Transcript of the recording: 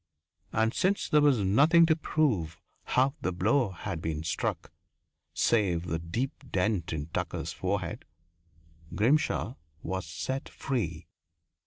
And since there was nothing to prove how the blow had been struck, save the deep dent in Tucker's forehead, Grimshaw was set free.